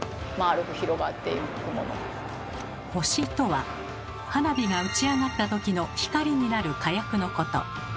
「星」とは花火が打ち上がったときの光になる火薬のこと。